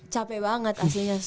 capek banget aslinya